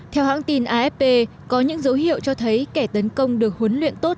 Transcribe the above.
theo hãng tin afp có những dấu hiệu cho thấy kẻ tấn công được huấn luyện tốt